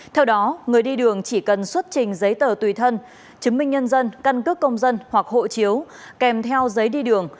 theo đó người đi đường chỉ cần xuất trình giấy tờ tùy thân chứng minh nhân dân căn cước công dân hoặc hộ chiếu kèm theo giấy đi đường